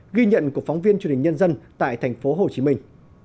ghi nhận của phóng viên truyền hình nhân dân tại thành phố hồ chí minh